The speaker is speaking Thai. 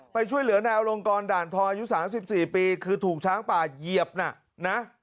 ไปช่วยเหลือนายอลงกรด่านทองอายุ๓๔ปีคือถูกช้างป่าเหยียบน่ะนะ